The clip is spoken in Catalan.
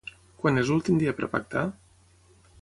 Quan és l'últim dia per a pactar?